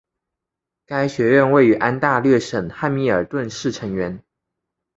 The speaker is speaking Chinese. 该学院位于安大略省汉密尔顿市成员。